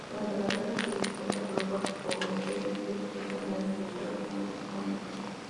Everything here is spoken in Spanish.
Durante la guerra civil rusa, grupos bolcheviques los habían utilizado como escondites.